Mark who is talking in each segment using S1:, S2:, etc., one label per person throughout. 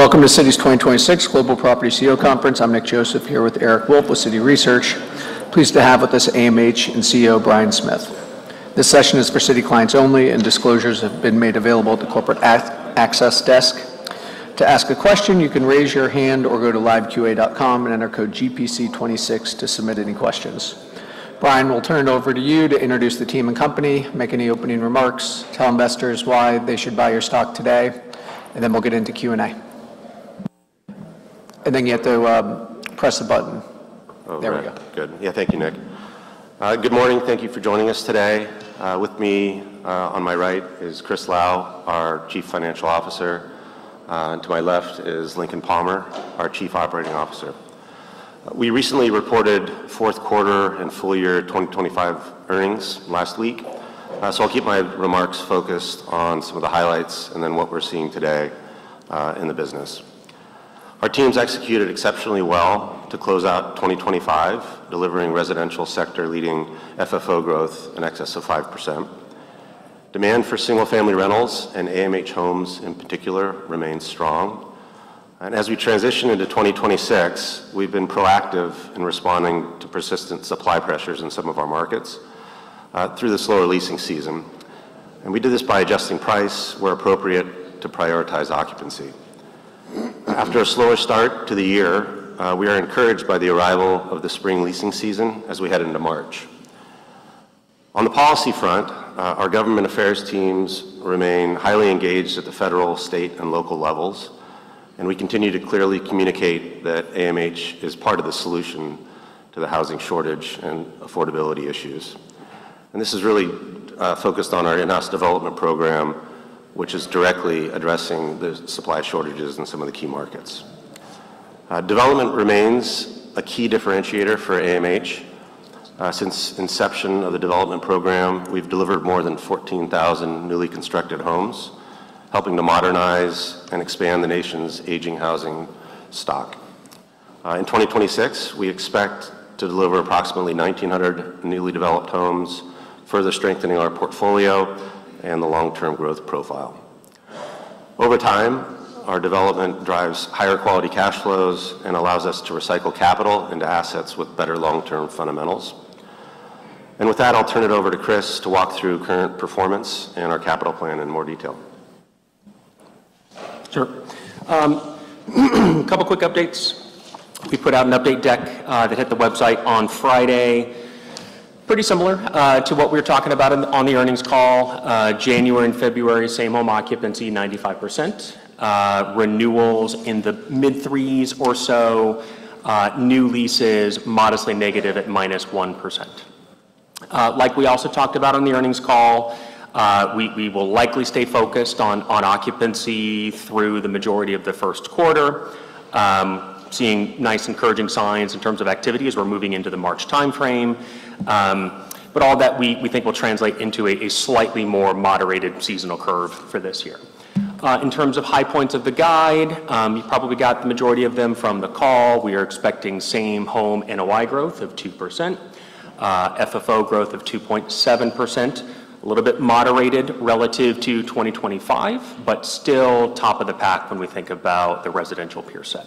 S1: Welcome to Citi's 2026 Global Property CEO Conference. I'm Nick Joseph here with Eric Wolfe with Citi Research. Pleased to have with us AMH and CEO Bryan Smith. This session is for Citi clients only, and disclosures have been made available at the corporate access desk. To ask a question, you can raise your hand or go to liveqa.com and enter code GPC26 to submit any questions. Bryan, we'll turn it over to you to introduce the team and company, make any opening remarks, tell investors why they should buy your stock today, and then we'll get into Q&A. Then you have to press the button. There we go.
S2: Oh, right. Good. Yeah, thank you, Nick. Good morning. Thank you for joining us today. With me, on my right is Christopher Lau, our Chief Financial Officer. To my left is Lincoln Palmer, our Chief Operating Officer. We recently reported fourth quarter and full year 2025 earnings last week. So I'll keep my remarks focused on some of the highlights and then what we're seeing today, in the business. Our teams executed exceptionally well to close out 2025, delivering residential sector leading FFO growth in excess of 5%. Demand for single-family rentals and AMH homes in particular remains strong. As we transition into 2026, we've been proactive in responding to persistent supply pressures in some of our markets, through the slower leasing season. We do this by adjusting price where appropriate to prioritize occupancy. After a slower start to the year, we are encouraged by the arrival of the spring leasing season as we head into March. On the policy front, our government affairs teams remain highly engaged at the federal, state, and local levels, and we continue to clearly communicate that AMH is part of the solution to the housing shortage and affordability issues. This is really focused on our in-house development program, which is directly addressing the supply shortages in some of the key markets. Development remains a key differentiator for AMH. Since inception of the development program, we've delivered more than 14,000 newly constructed homes, helping to modernize and expand the nation's aging housing stock. In 2026, we expect to deliver approximately 1,900 newly developed homes, further strengthening our portfolio and the long-term growth profile. Over time, our development drives higher quality cash flows and allows us to recycle capital into assets with better long-term fundamentals. With that, I'll turn it over to Chris to walk through current performance and our capital plan in more detail.
S3: Sure. Couple quick updates. We put out an update deck that hit the website on Friday. Pretty similar to what we were talking about on the earnings call. January and February, Same-Home Occupancy, 95%. Renewals in the mid 3%s or so. New leases modestly negative, at -1%. Like we also talked about on the earnings call, we will likely stay focused on occupancy through the majority of the first quarter. Seeing nice encouraging signs in terms of activity as we're moving into the March timeframe. All that we think will translate into a slightly more moderated seasonal curve for this year. In terms of high points of the guide, you probably got the majority of them from the call. We are expecting Same-Home Core NOI growth of 2%. FFO growth of 2.7%. A little bit moderated relative to 2025, but still top of the pack when we think about the residential peer set.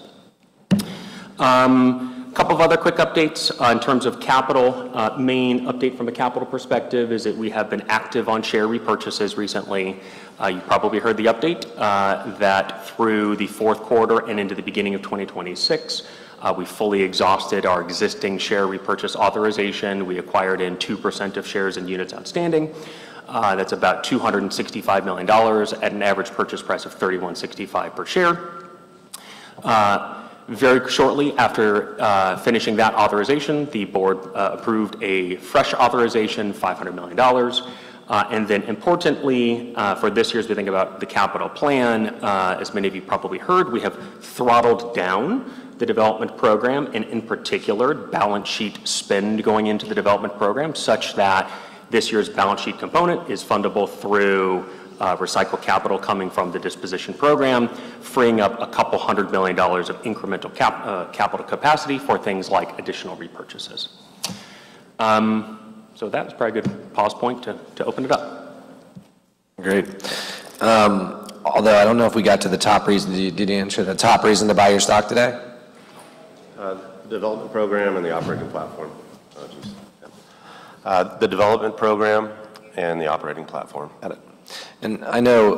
S3: Couple of other quick updates. In terms of capital, main update from a capital perspective is that we have been active on share repurchases recently. You probably heard the update, that through the fourth quarter and into the beginning of 2026, we fully exhausted our existing share repurchase authorization. We acquired in 2% of shares and units outstanding. That's about $265 million at an average purchase price of $31.65 per share. Very shortly after finishing that authorization, the board approved a fresh authorization, $500 million. Then importantly, for this year as we think about the capital plan as many of you probably heard, we have throttled down the development program and in particular balance sheet spend going into the development program such that this year's balance sheet component is fundable through recycled capital coming from the disposition program, freeing up $200 million of incremental capital capacity for things like additional repurchases. That's probably a good pause point to open it up.
S1: Great. Although I don't know if we got to the top reason. Did you answer the top reason to buy your stock today?
S2: The development program and the operating platform.
S4: Got it. I know,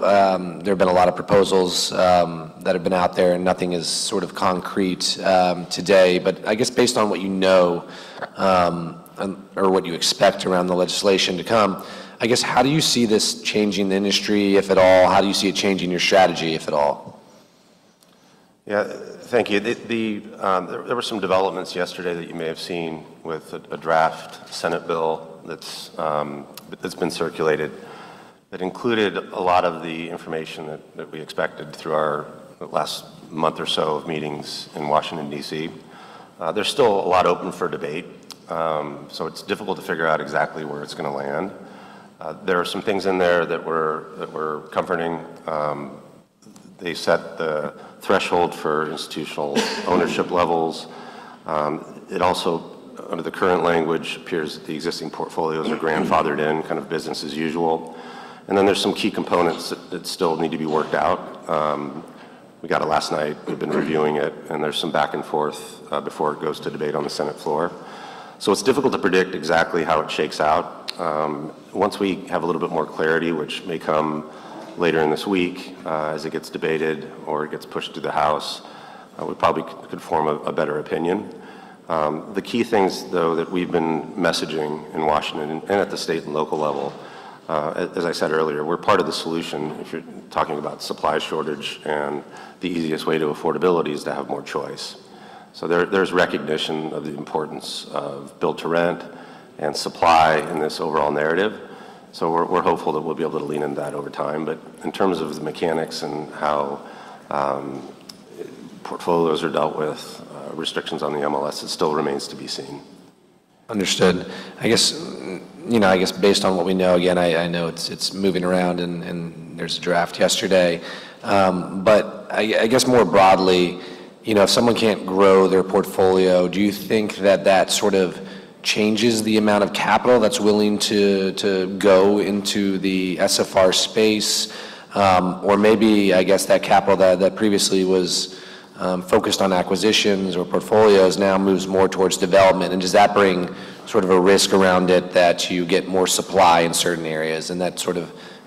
S4: there have been a lot of proposals, that have been out there, and nothing is sort of concrete, today. I guess based on what you know, or what you expect around the legislation to come, I guess how do you see this changing the industry, if at all? How do you see it changing your strategy, if at all?
S2: Yeah. Thank you. There were some developments yesterday that you may have seen with a draft Senate bill that's been circulated that included a lot of the information that we expected through our last month or so of meetings in Washington, D.C. There's still a lot open for debate, so it's difficult to figure out exactly where it's going to land. There are some things in there that we're comforting. They set the threshold for institutional ownership levels. It also, under the current language, appears the existing portfolios are grandfathered in, kind of business as usual. There's some key components that still need to be worked out. We got it last night. We've been reviewing it, and there's some back and forth, before it goes to debate on the Senate floor. It's difficult to predict exactly how it shakes out. Once we have a little bit more clarity, which may come later in this week, as it gets debated or it gets pushed to the House, we probably could form a better opinion. The key things, though, that we've been messaging in Washington and at the state and local level, as I said earlier, we're part of the solution if you're talking about supply shortage, and the easiest way to affordability is to have more choice. There's recognition of the importance of Build-to-Rent and supply in this overall narrative. We're hopeful that we'll be able to lean into that over time. In terms of the mechanics and how portfolios are dealt with, restrictions on the MLS, it still remains to be seen.
S4: Understood. You know, I guess based on what we know, again, I know it's moving around and there's a draft yesterday. I guess more broadly, you know, if someone can't grow their portfolio, do you think that that sort of changes the amount of capital that's willing to go into the SFR space, or maybe, I guess, that capital that previously was focused on acquisitions or portfolios now moves more towards development, and does that bring sort of a risk around it that you get more supply in certain areas?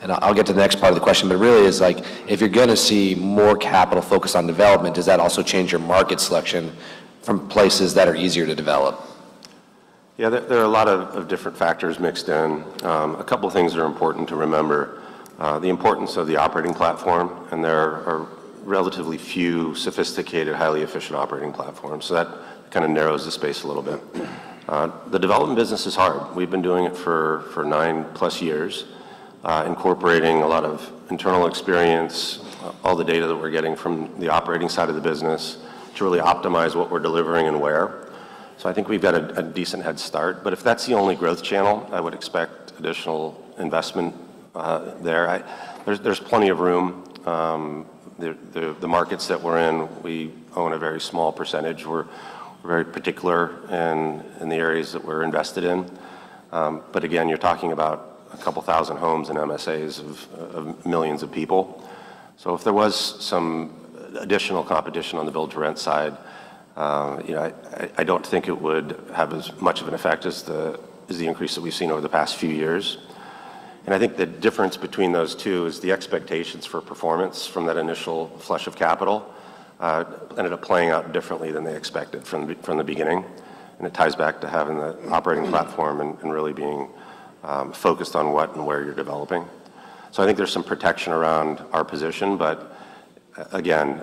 S4: I'll get to the next part of the question. Really is like, if you're gonna see more capital focus on development, does that also change your market selection from places that are easier to develop?
S2: Yeah. There are a lot of different factors mixed in. A couple things that are important to remember. The importance of the operating platform, and there are relatively few sophisticated, highly efficient operating platforms, so that kind of narrows the space a little bit. The development business is hard. We've been doing it for 9+ years, incorporating a lot of internal experience, all the data that we're getting from the operating side of the business to really optimize what we're delivering and where. I think we've got a decent head start. If that's the only growth channel, I would expect additional investment there. There's plenty of room. The markets that we're in, we own a very small percentage. We're very particular in the areas that we're invested in. Again, you're talking about a couple thousand homes in MSAs of millions of people. If there was some additional competition on the Build-to-Rent side, you know, I don't think it would have as much of an effect as the increase that we've seen over the past few years. I think the difference between those two is the expectations for performance from that initial flush of capital ended up playing out differently than they expected from the beginning, and it ties back to having the operating platform and really being focused on what and where you're developing. I think there's some protection around our position, but again,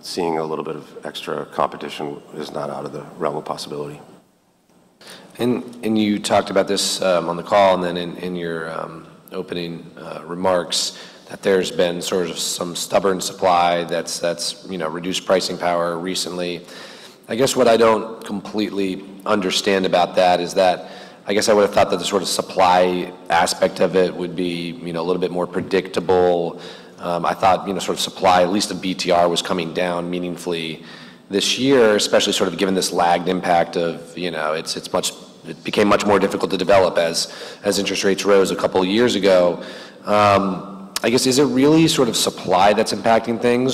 S2: seeing a little bit of extra competition is not out of the realm of possibility.
S4: You talked about this, on the call and in your opening remarks, that there's been sort of some stubborn supply that's, you know, reduced pricing power recently. I guess what I don't completely understand about that is that I guess I would've thought that the sort of supply aspect of it would be, you know, a little bit more predictable. I thought, you know, sort of supply, at least of BTR, was coming down meaningfully this year, especially sort of given this lagged impact of, you know, It became much more difficult to develop as interest rates rose two years ago. I guess, is it really sort of supply that's impacting things,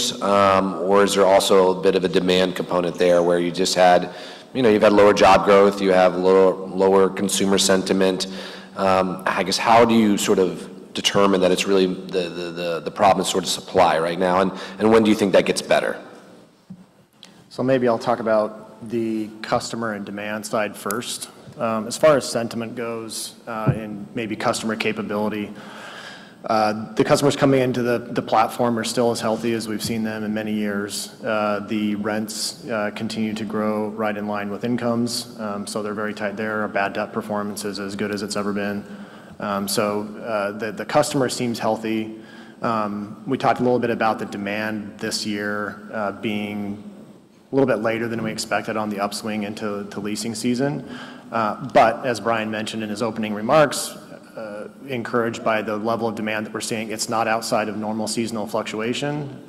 S4: or is there also a bit of a demand component there where You know, you've had lower job growth. You have lower consumer sentiment. I guess, how do you sort of determine that it's really the problem is sort of supply right now, and when do you think that gets better?
S5: Maybe I'll talk about the customer and demand side first. As far as sentiment goes, and maybe customer capability, the customers coming into the platform are still as healthy as we've seen them in many years. The rents continue to grow right in line with incomes. So they're very tight there. Our bad debt performance is as good as it's ever been. So the customer seems healthy. We talked a little bit about the demand this year, being a little bit later than we expected on the upswing into the leasing season. As Bryan mentioned in his opening remarks, encouraged by the level of demand that we're seeing, it's not outside of normal seasonal fluctuation.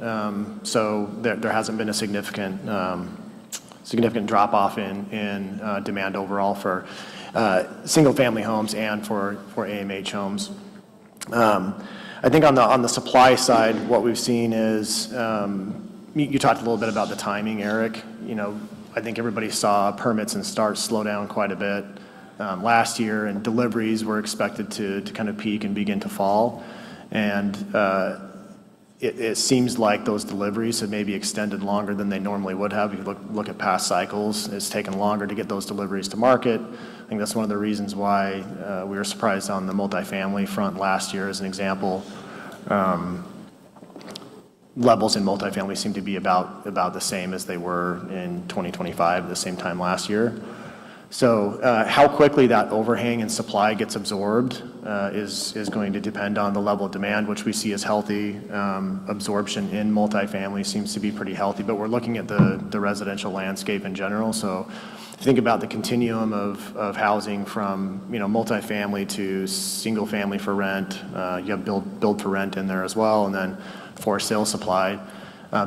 S5: So there hasn't been a significant drop-off in demand overall for single-family homes and for AMH homes. I think on the, on the supply side, what we've seen is, you talked a little bit about the timing, Eric. You know, I think everybody saw permits and starts slow down quite a bit last year, and deliveries were expected to kind of peak and begin to fall. It seems like those deliveries have maybe extended longer than they normally would have. You look at past cycles, and it's taken longer to get those deliveries to market. I think that's one of the reasons why we were surprised on the multifamily front last year, as an example. Levels in multifamily seem to be about the same as they were in 2025 the same time last year. how quickly that overhang in supply gets absorbed is going to depend on the level of demand, which we see as healthy. absorption in multifamily seems to be pretty healthy. we're looking at the residential landscape in general. think about the continuum of housing from, you know, multifamily to single-family for rent. you have Build-to-Rent in there as well, and then for sale supply.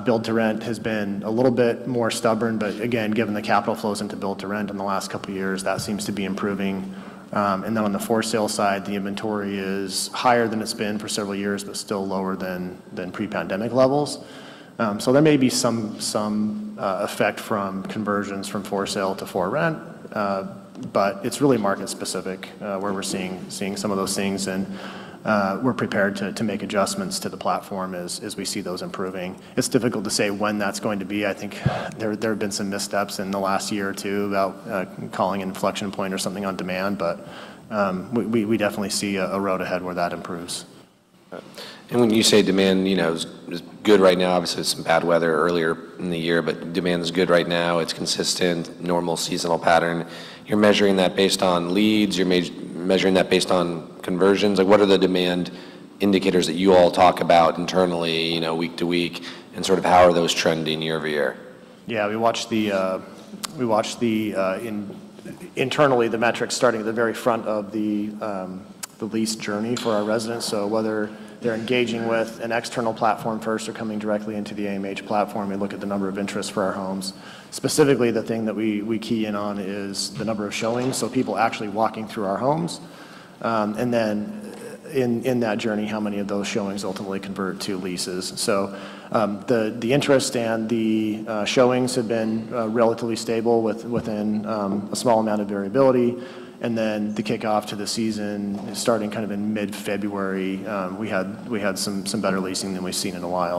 S5: Build-to-Rent has been a little bit more stubborn, but again, given the capital flows into Build-to-Rent in the last couple years, that seems to be improving. On the for-sale side, the inventory is higher than it's been for several years, but still lower than pre-pandemic levels. There may be some effect from conversions from for sale to for rent. It's really market specific where we're seeing some of those things and we're prepared to make adjustments to the platform as we see those improving. It's difficult to say when that's going to be. I think there have been some missteps in the last year or two about calling an inflection point or something on demand. We definitely see a road ahead where that improves.
S4: When you say demand, you know, is good right now, obviously some bad weather earlier in the year, demand is good right now. It's consistent, normal seasonal pattern. You're measuring that based on leads. You're measuring that based on conversions. Like, what are the demand indicators that you all talk about internally, you know, week to week, sort of how are those trending year-over-year?
S5: Yeah, we watch the, we watch the internally the metrics starting at the very front of the lease journey for our residents. Whether they're engaging with an external platform first or coming directly into the AMH platform, we look at the number of interests for our homes. Specifically, the thing that we key in on is the number of showings, so people actually walking through our homes. In that journey, how many of those showings ultimately convert to leases. The interest and the showings have been relatively stable within a small amount of variability. The kickoff to the season starting kind of in mid-February, we had some better leasing than we've seen in a while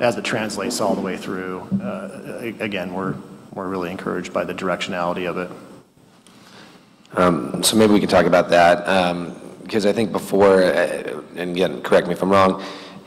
S5: as it translates all the way through, again, we're really encouraged by the directionality of it.
S4: Maybe we can talk about that. I think before, and again, correct me if I'm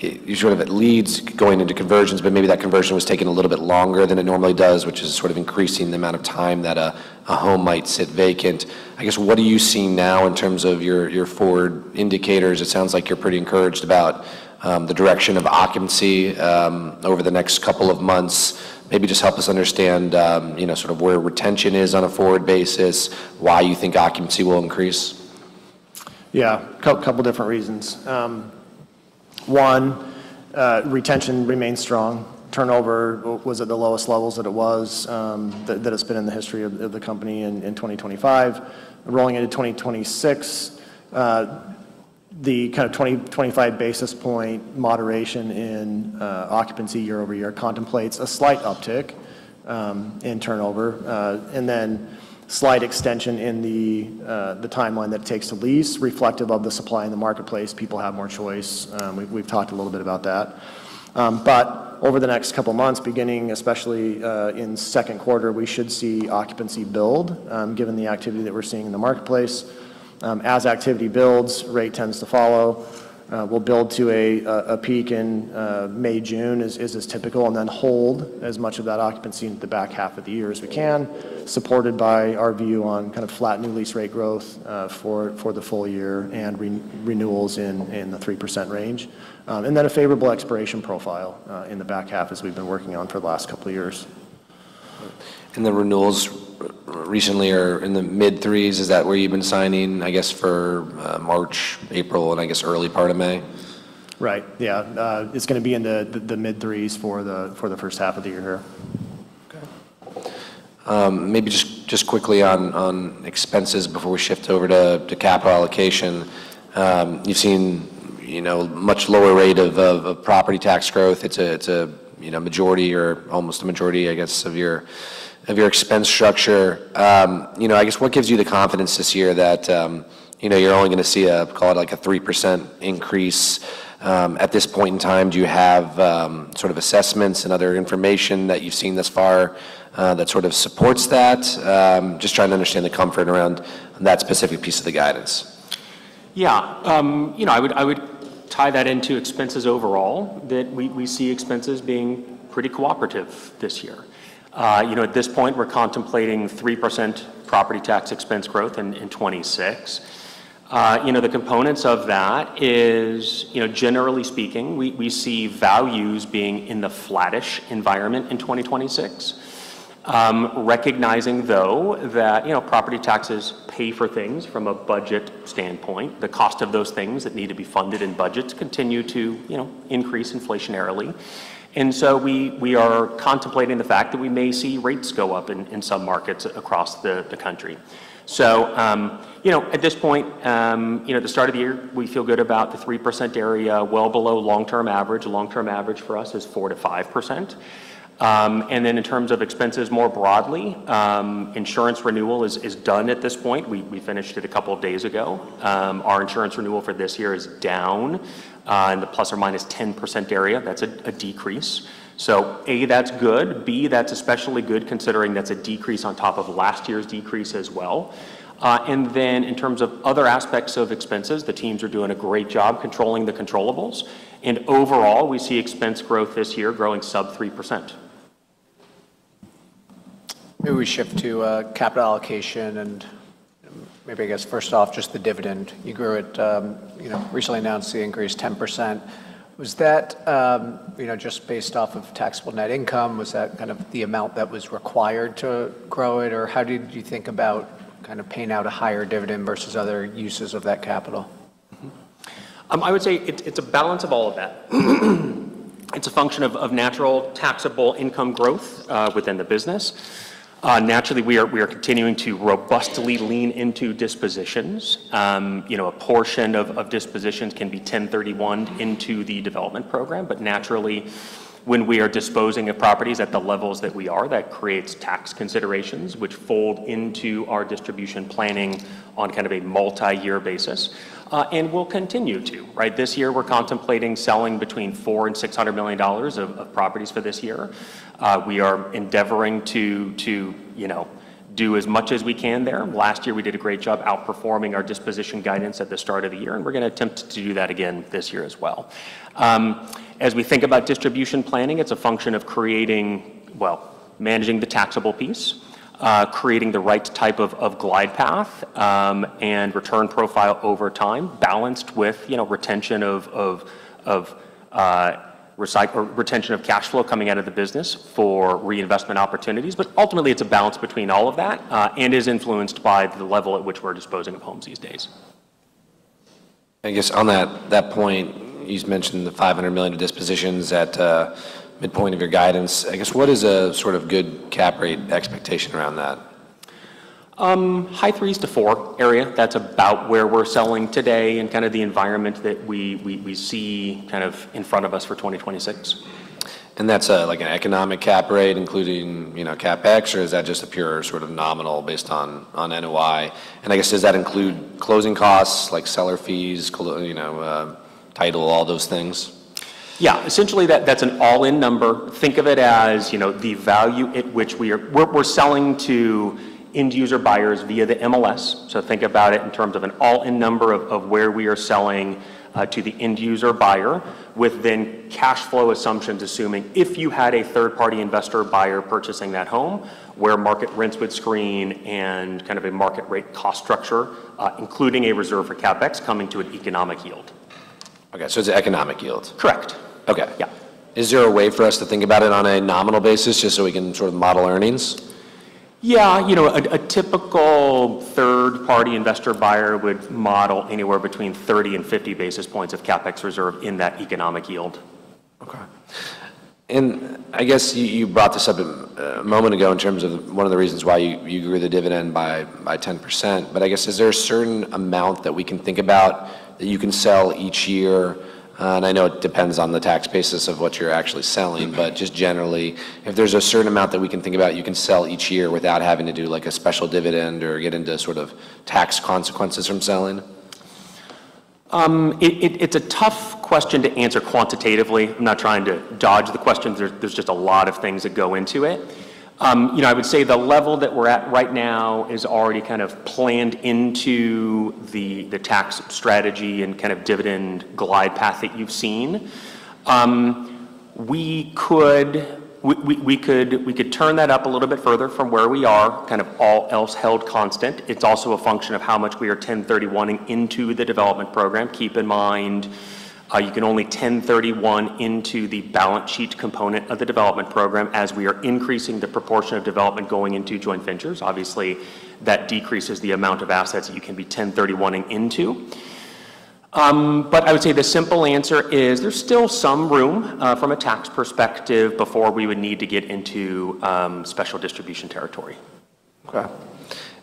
S4: wrong, you sort of have leads going into conversions, but maybe that conversion was taking a little bit longer than it normally does, which is sort of increasing the amount of time that a home might sit vacant. I guess, what are you seeing now in terms of your forward indicators? It sounds like you're pretty encouraged about the direction of occupancy over the next couple of months. Maybe just help us understand, you know, sort of where retention is on a forward basis, why you think occupancy will increase.
S5: Yeah. Couple different reasons. One, retention remains strong. Turnover was at the lowest levels that it was, that it's been in the history of the company in 2025. Rolling into 2026, the kind of 20, 25 basis point moderation in occupancy year-over-year contemplates a slight uptick in turnover. Then slight extension in the timeline that it takes to lease reflective of the supply in the marketplace. People have more choice. We've talked a little bit about that. Over the next couple months, beginning especially in second quarter, we should see occupancy build given the activity that we're seeing in the marketplace. As activity builds, rate tends to follow. We'll build to a peak in May, June as is typical, and then hold as much of that occupancy at the back half of the year as we can, supported by our view on kind of flat new lease rate growth for the full year and renewals in the 3% range. A favorable expiration profile in the back half as we've been working on for the last couple years.
S4: The renewals recently are in the mid-3%s. Is that where you've been signing, I guess, for March, April, and I guess early part of May?
S5: Yeah. It's gonna be in the mid threes for the first half of the year.
S4: Okay. Maybe just quickly on expenses before we shift over to capital allocation. You've seen, you know, much lower rate, of property tax growth. it's a, you know, majority or almost a majority, I guess, of your, of your expense structure. You know, I guess what gives you the confidence this year that, you know, you're only gonna see a, call it like a 3% increase, at this point in time? Do you have, sort of assessments and other information that you've seen thus far, that sort of supports that? Just trying to understand the comfort around that specific piece of the guidance.
S5: You know, I would tie that into expenses overall, that we see expenses being pretty cooperative this year. You know, at this point, we're contemplating 3% property tax expense growth in 2026. You know, the components of that is, you know, generally speaking, we see values being in the flattish environment in 2026. Recognizing though that, you know, property taxes pay for things from a budget standpoint. The cost of those things that need to be funded in budgets continue to, you know, increase inflationarily. We are contemplating the fact that we may see rates go up in some markets across the country. You know, at this point, you know, at the start of the year, we feel good about the 3% area, well below long-term average. Long-term average for us is 4%-5%. In terms of expenses more broadly, insurance renewal is done at this point. We finished it a couple of days ago. Our insurance renewal for this year is down in the ±10% area. That's a decrease. A, that's good. B, that's especially good considering that's a decrease on top of last year's decrease as well. In terms of other aspects of expenses, the teams are doing a great job controlling the controllables. Overall, we see expense growth this year growing sub-3%.
S1: Maybe we shift to capital allocation and maybe I guess first off, just the dividend. You grew it, you know, recently announced the increase 10%. Was that, you know, just based off of taxable net income? Was that kind of the amount that was required to grow it or how did you think about kind of paying out a higher dividend versus other uses of that capital?
S3: I would say it's a balance of all of that. It's a function of natural taxable income growth within the business. Naturally, we are continuing to robustly lean into dispositions. You know, a portion of dispositions can be 1031-ed into the development program. Naturally, when we are disposing of properties at the levels that we are, that creates tax considerations, which fold into our distribution planning on kind of a multi-year basis. We'll continue to, right? This year, we're contemplating selling between $400 million-$600 million of properties for this year. We are endeavoring to, you know, do as much as we can there. Last year, we did a great job outperforming our disposition guidance at the start of the year, and we're gonna attempt to do that again this year as well. As we think about distribution planning, it's a function of well, managing the taxable piece, creating the right type of glide path, and return profile over time, balanced with, you know, retention of cash flow coming out of the business for reinvestment opportunities. Ultimately, it's a balance between all of that, and is influenced by the level at which we're disposing of homes these days.
S4: I guess on that point, you just mentioned the $500 million of dispositions at midpoint of your guidance. What is a sort of good cap rate expectation around that?
S3: high threes to four area. That's about where we're selling today and kind of the environment that we see kind of in front of us for 2026.
S4: That's like an economic cap rate, including, you know, CapEx? Is that just a pure sort of nominal based on NOI? I guess, does that include closing costs, like seller fees, you know, title, all those things?
S3: Essentially, that's an all-in number. Think of it as, you know, the value at which we're selling to end user buyers via the MLS. Think about it in terms of an all-in number of where we are selling to the end user buyer within cash flow assumptions, assuming if you had a third-party investor buyer purchasing that home, where market rents would screen and kind of a market rate cost structure, including a reserve for CapEx coming to an economic yield.
S4: Okay, it's economic yield.
S3: Correct.
S4: Okay.
S3: Yeah.
S4: Is there a way for us to think about it on a nominal basis just so we can sort of model earnings?
S3: Yeah. You know, a typical third-party investor buyer would model anywhere between 30 and 50 basis points of CapEx reserve in that economic yield.
S4: Okay. I guess you brought this up a moment ago in terms of one of the reasons why you grew the dividend by 10%. Is there a certain amount that we can think about that you can sell each year? I know it depends on the tax basis of what you're actually sellinJust generally, if there's a certain amount that we can think about you can sell each year without having to do, like, a special dividend or get into sort of tax consequences from selling.
S3: It's a tough question to answer quantitatively. I'm not trying to dodge the question. There's just a lot of things that go into it. You know, I would say the level that we're at right now is already kind of planned into the tax strategy and kind of dividend glide path that you've seen. We could turn that up a little bit further from where we are, kind of all else held constant. It's also a function of how much we are 1031 into the development program. Keep in mind, you can only 1031 exchange into the balance sheet component of the development program as we are increasing the proportion of development going into joint ventures. Obviously, that decreases the amount of assets that you can be 1031ing into. I would say the simple answer is there's still some room from a tax perspective before we would need to get into special distribution territory.
S4: Okay.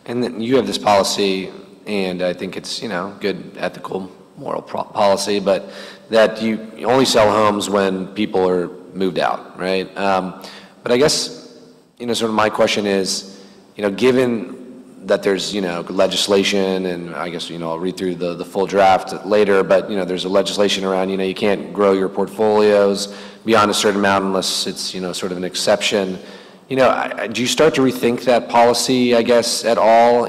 S4: You have this policy, and I think it's, you know, good ethical moral pro- policy, but that you only sell homes when people are moved out, right? I guess, you know, sort of my question is, you know, given that there's, you know, legislation, and I guess, you know, I'll read through the full draft later, but, you know, there's a legislation around, you know, you can't grow your portfolios beyond a certain amount unless it's, you know, sort of an exception. You know, do you start to rethink that policy, I guess, at all?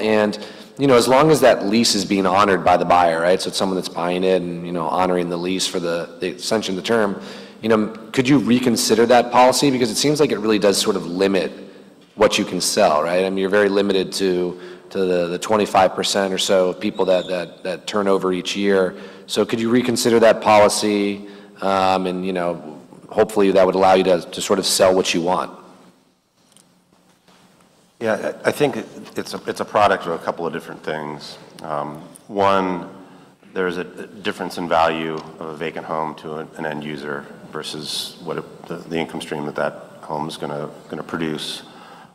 S4: As long as that lease is being honored by the buyer, right? It's someone that's buying it and, you know, honoring the lease for the extension of the term. You know, could you reconsider that policy? It seems like it really does sort of limit what you can sell, right? You're very limited to the 25% or so of people that turn over each year. Could you reconsider that policy? You know, hopefully, that would allow you to sort of sell what you want.
S2: I think it's a product of a couple of different things. One, there's a difference in value of a vacant home to an end user versus what the income stream that home's gonna produce.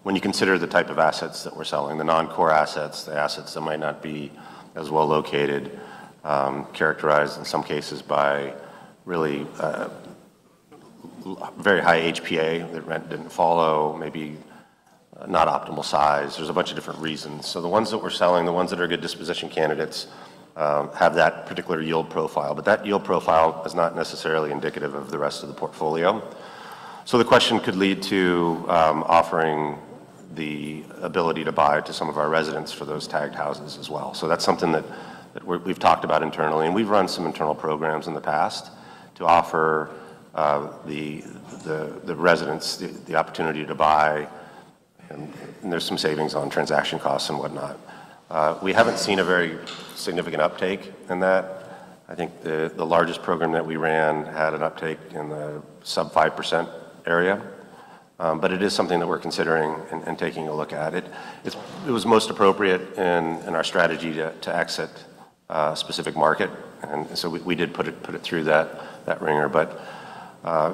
S2: When you consider the type of assets that we're selling, the non-core assets, the assets that might not be as well located, characterized in some cases by really very high HPA, the rent didn't follow, maybe not optimal size. There's a bunch of different reasons. The ones that we're selling, the ones that are good disposition candidates, have that particular yield profile. That yield profile is not necessarily indicative of the rest of the portfolio. The question could lead to offering the ability to buy to some of our residents for those tagged houses as well. That's something that we've talked about internally, and we've run some internal programs in the past to offer the residents the opportunity to buy, and there's some savings on transaction costs and whatnot. We haven't seen a very significant uptake in that. I think the largest program that we ran had an uptake in the sub 5% area. But it is something that we're considering and taking a look at. It was most appropriate in our strategy to exit a specific market. We did put it through that wringer. But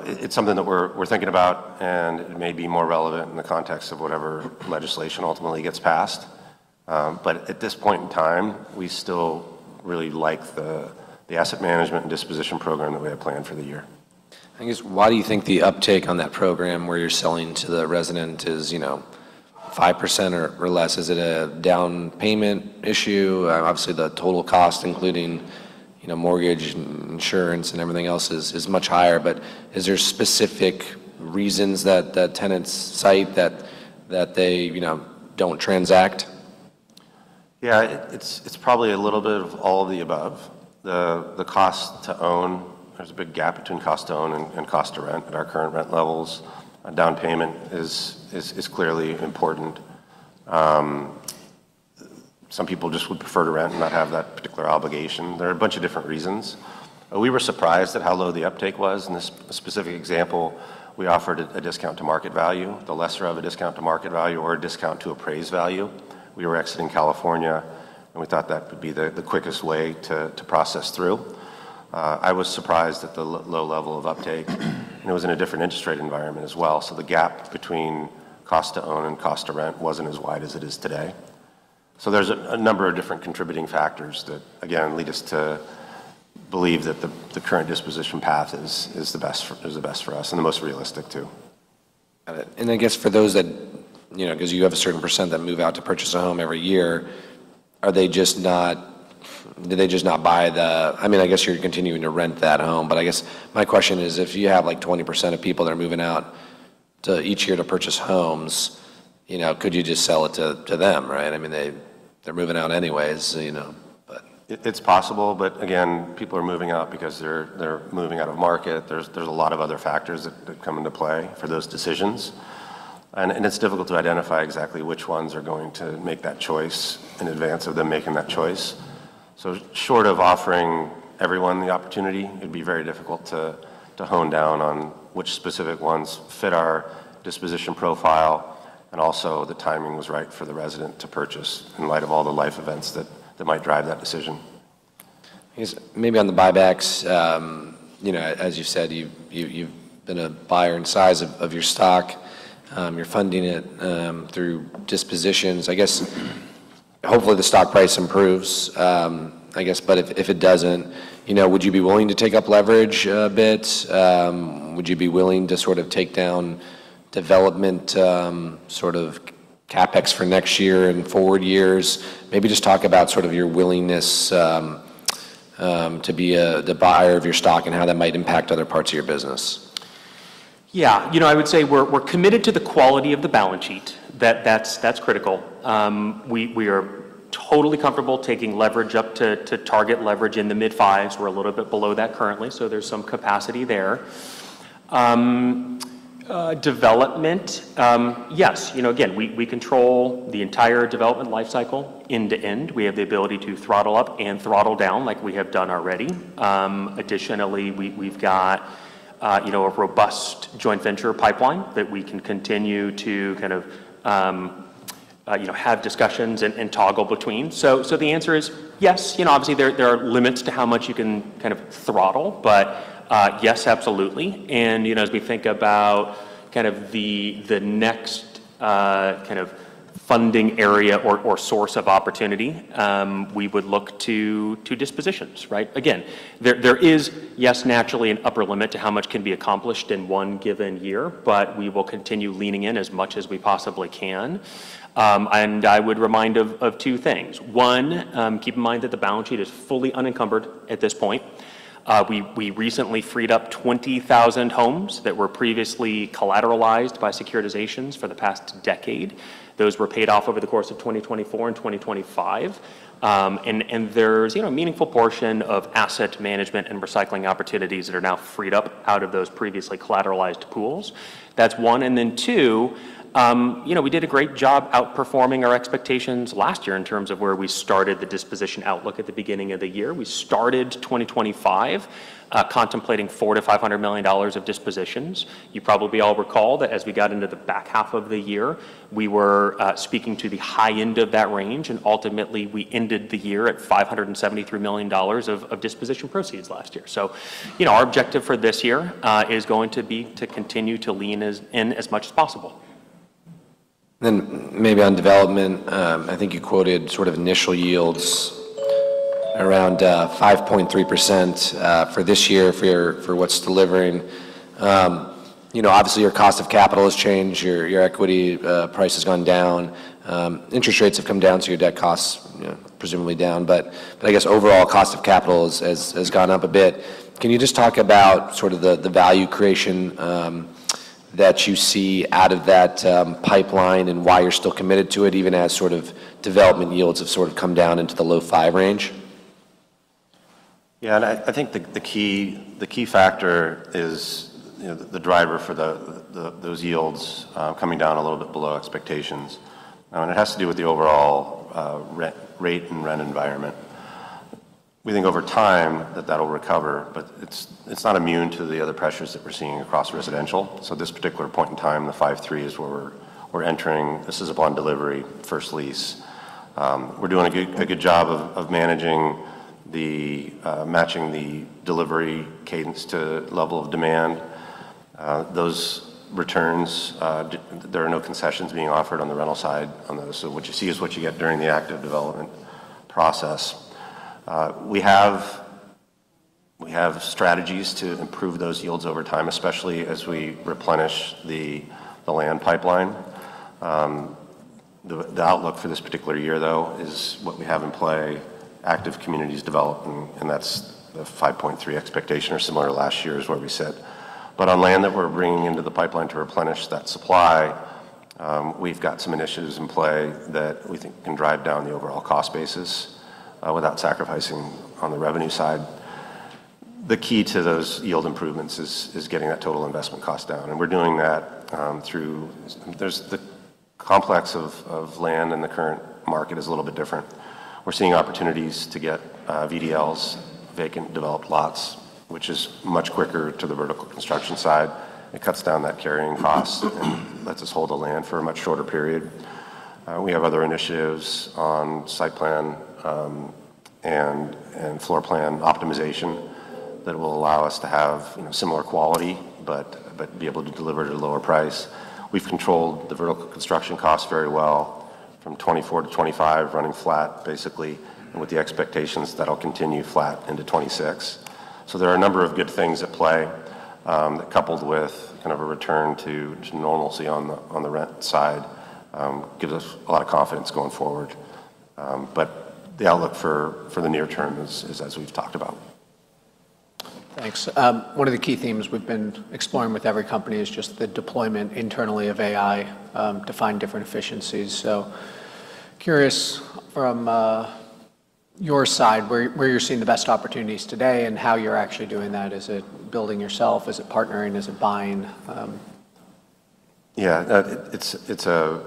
S2: it's something that we're thinking about, and it may be more relevant in the context of whatever legislation ultimately gets passed. At this point in time, we still really like the asset management and disposition program that we have planned for the year.
S4: I guess, why do you think the uptake on that program where you're selling to the resident is, you know, 5% or less? Is it a down payment issue? Obviously the total cost, including, you know, mortgage and insurance and everything else is much higher. Is there specific reasons that the tenants cite that they, you know, don't transact?
S2: It's probably a little bit of all of the above. The cost to own, there's a big gap between cost to own and cost to rent at our current rent levels. A down payment is clearly important. Some people just would prefer to rent and not have that particular obligation. There are a bunch of different reasons. We were surprised at how low the uptake was. In this specific example, we offered a discount to market value, the lesser of a discount to market value or a discount to appraised value. We were exiting California. We thought that would be the quickest way to process through. I was surprised at the low level of uptake, and it was in a different interest rate environment as well. The gap between cost to own and cost to rent wasn't as wide as it is today. There's a number of different contributing factors that, again, lead us to believe that the current disposition path is the best for us and the most realistic too.
S4: Got it. I guess for those that, you know, because you have a certain percent that move out to purchase a home every year, do they just not buy the...? I mean, I guess you're continuing to rent that home. I guess my question is, if you have, like, 20% of people that are moving out to each year to purchase homes, you know, could you just sell it to them, right? I mean, they're moving out anyways, you know.
S2: It's possible. Again, people are moving out because they're moving out of market. There's a lot of other factors that come into play for those decisions. It's difficult to identify exactly which ones are going to make that choice in advance of them making that choice. Short of offering everyone the opportunity, it'd be very difficult to hone down on which specific ones fit our disposition profile, and also the timing was right for the resident to purchase in light of all the life events that might drive that decision.
S4: I guess maybe on the buybacks, you know, as you said, you've been a buyer in size of your stock. You're funding it through dispositions. I guess hopefully the stock price improves, I guess. If it doesn't, you know, would you be willing to take up leverage a bit? Would you be willing to sort of take down development, sort of CapEx for next year and forward years? Maybe just talk about sort of your willingness to be the buyer of your stock and how that might impact other parts of your business.
S3: Yeah. You know, I would say we're committed to the quality of the balance sheet. That's critical. We are totally comfortable taking leverage up to target leverage in the mid-fives. We're a little bit below that currently, so there's some capacity there. Development, yes. You know, again, we control the entire development life cycle end to end. We have the ability to throttle up and throttle down like we have done already. Additionally, we've got, you know, a robust joint venture pipeline that we can continue to kind of, you know, have discussions and toggle between. The answer is yes. You know, obviously, there are limits to how much you can kind of throttle, but yes, absolutely. you know, as we think about kind of the next kind of funding area or source of opportunity, we would look to dispositions, right? There is, yes, naturally an upper limit to how much can be accomplished in one given year, but we will continue leaning in as much as we possibly can. I would remind of two things. One, keep in mind that the balance sheet is fully unencumbered at this point. We recently freed up 20,000 homes that were previously collateralized by securitizations for the past decade. Those were paid off over the course of 2024 and 2025. There's, you know, a meaningful portion of asset management and recycling opportunities that are now freed up out of those previously collateralized pools. That's one. Two, you know, we did a great job outperforming our expectations last year in terms of where we started the disposition outlook at the beginning of the year. We started 2025 contemplating $400 million-$500 million of dispositions. You probably all recall that as we got into the back half of the year, we were speaking to the high end of that range, and ultimately, we ended the year at $573 million of disposition proceeds last year. You know, our objective for this year is going to be to continue to lean as in as much as possible.
S4: Maybe on development, I think you quoted sort of initial yields around 5.3% for this year for what's delivering. You know, obviously, your cost of capital has changed. Your equity price has gone down. Interest rates have come down, so your debt cost's, you know, presumably down. I guess overall cost of capital has gone up a bit. Can you just talk about sort of the value creation that you see out of that pipeline and why you're still committed to it, even as sort of development yields have come down into the low five range?
S2: I think the key factor is, you know, the driver for those yields coming down a little bit below expectations. It has to do with the overall re-rate and rent environment. We think over time that that'll recover, but it's not immune to the other pressures that we're seeing across residential. This particular point in time, the 5.3% is where we're entering. This is upon delivery, first lease. We're doing a good job of managing the matching the delivery cadence to level of demand. Those returns, there are no concessions being offered on the rental side on those. What you see is what you get during the active development process. We have strategies to improve those yields over time, especially as we replenish the land pipeline. The outlook for this particular year though is what we have in play, active communities developing, and that's the 5.3% expectation or similar last year is where we sit. On land that we're bringing into the pipeline to replenish that supply, we've got some initiatives in play that we think can drive down the overall cost basis without sacrificing on the revenue side. The key to those yield improvements is getting that total investment cost down, and we're doing that through. The complex of land in the current market is a little bit different. We're seeing opportunities to get VDLs, Vacant Developed Lots, which is much quicker to the vertical construction side. It cuts down that carrying cost and lets us hold the land for a much shorter period. We have other initiatives on site plan and floor plan optimization that will allow us to have, you know, similar quality, but be able to deliver at a lower price. We've controlled the vertical construction cost very well from 2024 to 2025, running flat basically, and with the expectations that'll continue flat into 2026. There are a number of good things at play, coupled with kind of a return to normalcy on the rent side, gives us a lot of confidence going forward. The outlook for the near term is as we've talked about.
S1: Thanks. One of the key themes we've been exploring with every company is just the deployment internally of AI, to find different efficiencies. Curious from your side, where you're seeing the best opportunities today and how you're actually doing that. Is it building yourself? Is it partnering? Is it buying?
S2: Yeah. It's a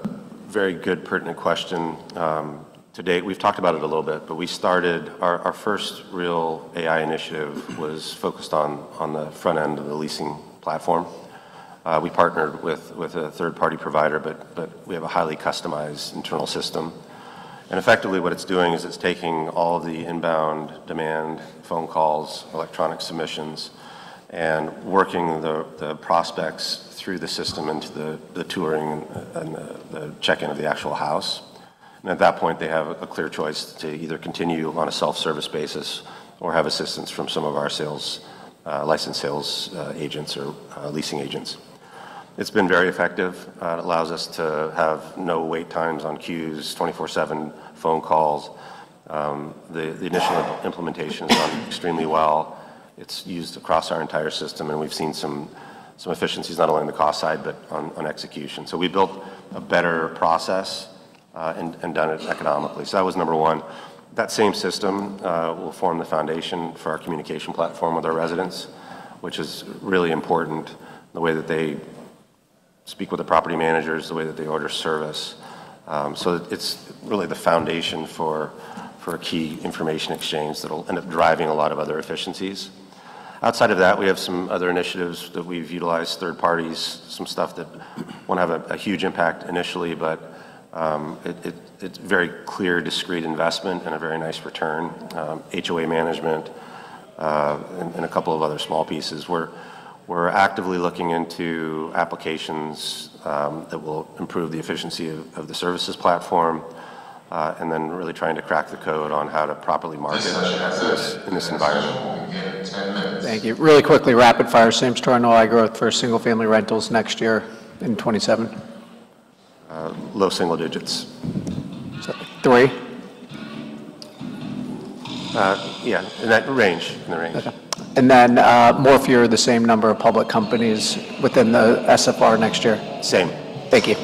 S2: very good pertinent question. To date, we've talked about it a little bit, but our first real AI initiative was focused on the front end of the leasing platform. We partnered with a third-party provider, but we have a highly customized internal system. Effectively what it's doing is it's taking all of the inbound demand, phone calls, electronic submissions, and working the prospects through the system into the touring and the check-in of the actual house. At that point, they have a clear choice to either continue on a self-service basis or have assistance from some of our sales, licensed sales agents or leasing agents. It's been very effective. It allows us to have no wait times on queues, 24/7 phone calls. The initial implementation has gone extremely well. It's used across our entire system, and we've seen some efficiencies not only on the cost side, but on execution. We built a better process and done it economically. That was number one. That same system will form the foundation for our communication platform with our residents, which is really important, the way that they speak with the property managers, the way that they order service. It's really the foundation for a key information exchange that'll end up driving a lot of other efficiencies. Outside of that, we have some other initiatives that we've utilized third parties, some stuff that won't have a huge impact initially, but it's very clear, discrete investment and a very nice return. HOA management, and a couple of other small pieces. We're actively looking into applications that will improve the efficiency of the services platform, and then really trying to crack the code on how to properly market.
S4: This session has gone into session. We'll give you 10 minutes.
S2: In this environment.
S1: Thank you. Really quickly, rapid fire. Same store annual growth for single-family rentals next year in 2027?
S2: Low single digits.
S1: 3%?
S2: Yeah, in that range. In that range.
S1: Okay. More, fewer, the same number of public companies within the SFR next year?
S2: Same.
S1: Thank you.